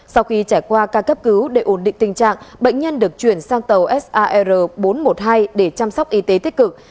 sau khi trải qua ca cấp cứu để ổn định tình trạng bệnh nhân được chuyển sang tàu sar bốn trăm một mươi hai để chăm sóc y tế tích cực